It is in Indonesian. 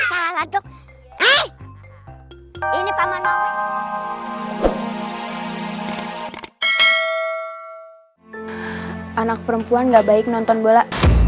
anak perempuan gak baik nonton bola